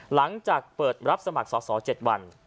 หลังจากเปิดรับสมัครสอสอ๗วัน